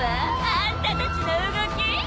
あんたたちの動き！